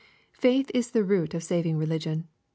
Faith is the root of saving religion.